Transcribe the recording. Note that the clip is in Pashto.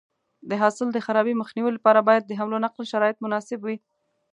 د حاصل د خرابي مخنیوي لپاره باید د حمل او نقل شرایط مناسب وي.